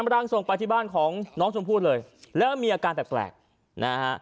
ร่างทรงไปที่บ้านของน้องชมพู่เลยแล้วก็มีอาการแปลกนะฮะ